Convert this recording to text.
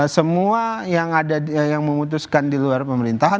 semua yang memutuskan di luar pemerintahan